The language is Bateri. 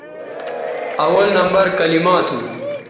اول نمبر کلما تھو